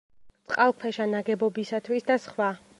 წყალქვეშა ნაგებობისათვის და სხვა.